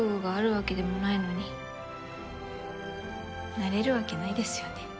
なれるわけないですよね。